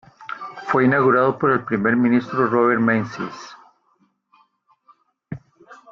Fue inaugurado por el primer ministro Robert Menzies.